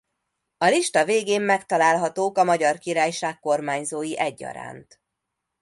A lista végén megtalálhatók a Magyar Királyság kormányzói egyaránt.